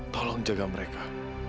tolong jaga mereka